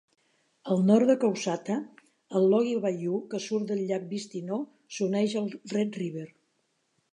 Al nord de Coushatta, el Loggy Bayou, que surt del llac Bistineau, s'uneix al Red River.